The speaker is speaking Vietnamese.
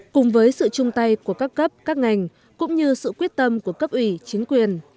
cùng với sự chung tay của các cấp các ngành cũng như sự quyết tâm của cấp ủy chính quyền